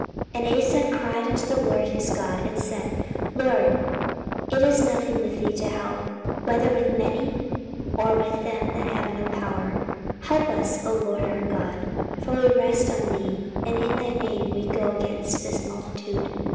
14:014:011 And Asa cried unto the LORD his God, and said, LORD, it is nothing with thee to help, whether with many, or with them that have no power: help us, O LORD our God; for we rest on thee, and in thy name we go against this multitude.